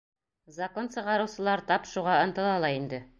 Закон сығарыусылар тап шуға ынтыла ла инде.